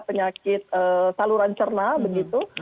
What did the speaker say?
penyakit saluran cerna begitu